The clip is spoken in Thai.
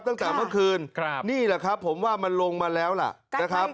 ตั้งแต่เมื่อคืนนี่แหละครับผมว่ามันลงมาแล้วล่ะนะครับ